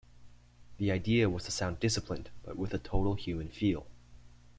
The idea was to sound disciplined, but with a total human feel.